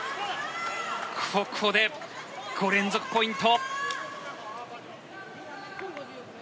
ここで５連続ポイント。